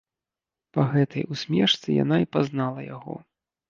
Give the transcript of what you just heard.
Па гэтай усмешцы яна і пазнала яго.